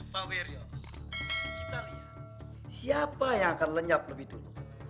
pak wirjo kita lihat siapa yang akan lenyap lebih dulu